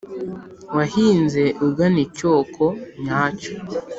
wahinze ugana icyoko nyacyo